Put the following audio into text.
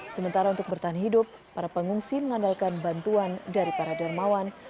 sementara untuk bertahan hidup para pengungsi mengandalkan bantuan dari para dermawan